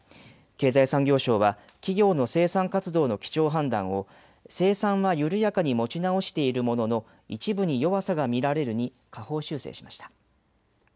経済産業省は企業の生産活動の基調判断を生産は緩やかに持ち直しているものの一部に弱さが見られるに下方修正しました。